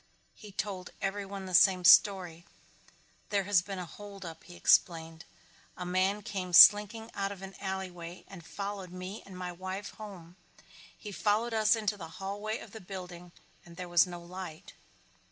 He told everyone the same story. "There has been a holdup," he explained. "A man came slinking out of an alleyway and followed me and my wife home. He followed us into the hallway of the building and there was no light."